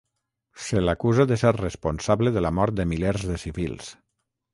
Se l'acusa de ser responsable de la mort de milers de civils.